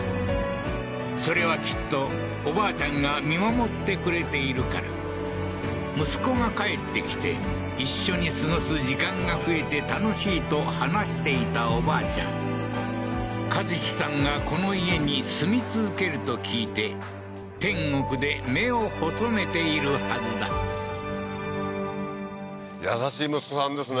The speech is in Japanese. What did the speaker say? それはきっとおばあちゃんが見守ってくれているから息子が帰ってきて一緒に過ごす時間が増えて楽しいと話していたおばあちゃん和司さんがこの家に住み続けると聞いて天国で目を細めているはずだ優しい息子さんですね